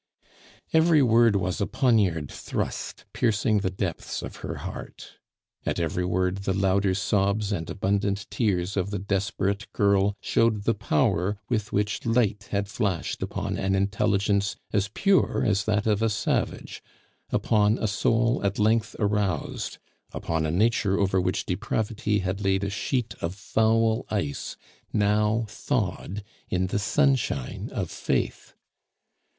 Every word was a poniard thrust piercing the depths of her heart. At every word the louder sobs and abundant tears of the desperate girl showed the power with which light had flashed upon an intelligence as pure as that of a savage, upon a soul at length aroused, upon a nature over which depravity had laid a sheet of foul ice now thawed in the sunshine of faith.